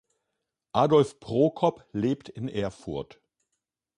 Adolf Prokop lebt in Erfurt.